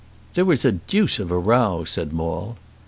"There was a deuce of a row," said Maule.